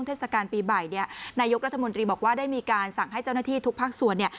เทศกาลปีใหม่เนี่ยนายกรัฐมนตรีบอกว่าได้มีการสั่งให้เจ้าหน้าที่ทุกภาคส่วนเนี่ย